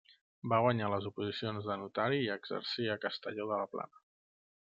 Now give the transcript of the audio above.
Va guanyar les oposicions de notari i exercí a Castelló de la Plana.